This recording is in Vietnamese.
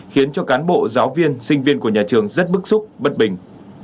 khiến cho cán bộ giáo viên sinh viên của nhà trường rất bức xúc bất bình